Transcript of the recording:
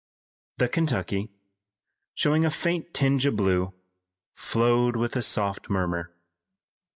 The Kentucky, showing a faint tinge of blue, flowed with a soft murmur.